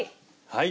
はい。